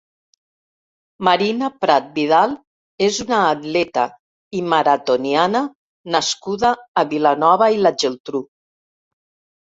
Marina Prat Vidal és una atleta i maratoniana nascuda a Vilanova i la Geltrú.